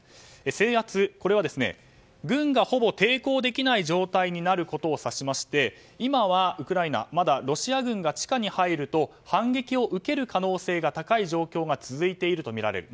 制圧、これは軍がほぼ抵抗できない状態になることを指しまして今はウクライナまだロシア軍が地下に入ると反撃を受ける可能性が高い状況が続いているとみられる。